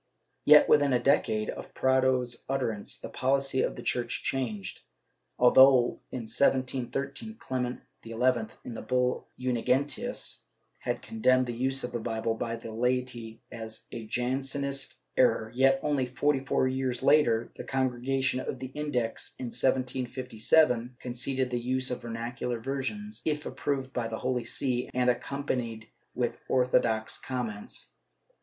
^ Yet, within a decade of Prado's utterance, the policy of the Church changed. Although, in 1713, Clement XI, in the bull Unigenitus, had condemned the use of the Bible by the laity as a Jansenist error, yet, only forty four years later, the Congregation of the Index, in 1757, conceded the use of vernacular versions, if approved by the Holy See and accompanied with orthodox com ' Reusch, p.